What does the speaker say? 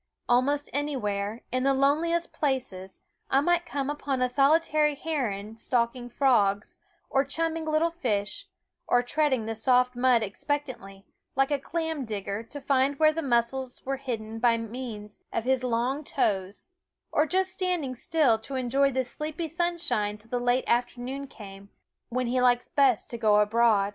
Almost anywhere, in the loneliest places, I might come upon a solitary heron stalking frogs, or chumming little fish, or treading the soft mud expectantly, like a clam digger, to find where the mussels were hidden by means of his long toes; or just standing still to enjoy the sleepy sunshine till the late after noon came, when he likes best to go abroad.